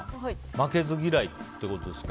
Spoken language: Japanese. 負けず嫌いってことですか。